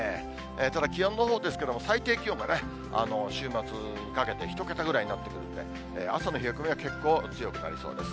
ただ、気温のほうですけれども、最低気温が週末にかけて１桁ぐらいになってくるんで、朝の冷え込みは結構、強くなりそうです。